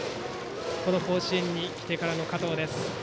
この甲子園に来てからの加藤です。